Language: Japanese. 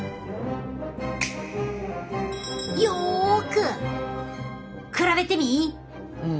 よく比べてみい！